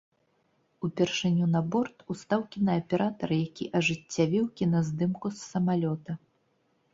Упершыню на борт устаў кінааператар, які ажыццявіў кіназдымку з самалёта.